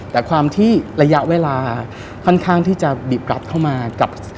แต่ความที่ระยะเวลาค่อนข้างที่จะบีบรัดเข้ามากับ